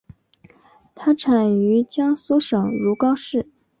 它产于江苏省如皋市。